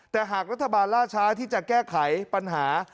แต่หากรัฐบาลล่าช้าที่จะแก้ไขปัญหา